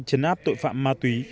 chấn áp tội phạm ma túy